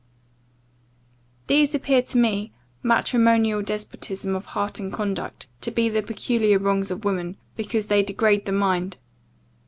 These appear to me (matrimonial despotism of heart and conduct) to be the peculiar Wrongs of Woman, because they degrade the mind.